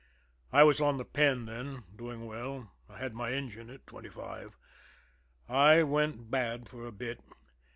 I was on the Penn then doing well. I had my engine at twenty five. I went bad for a bit.